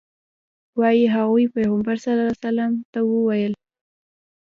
وایي هغوی پیغمبر صلی الله علیه وسلم ته وویل.